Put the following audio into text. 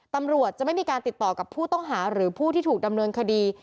ตำรวจจะไม่มีการติดต่อกับผู้ต้องหาหรือผู้ที่ถูกดำเนินคดี